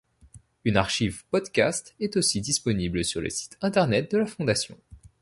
Une archive podcast est aussi disponible sur le site Internet de la fondation.